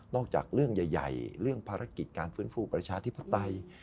จากเรื่องใหญ่เรื่องภารกิจการฟื้นฟูประชาธิปไตย